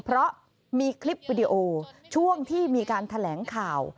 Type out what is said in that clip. เพราะมีคลิปวิดีโอช่วงที่มีการแถลงข่าว